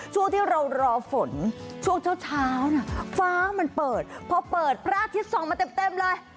ช่วงที่เรารอฝนช่วงเช้าน่ะฟ้ามันเปิดพอเปิดพระอาทิตย์ส่องมาเต็มเลย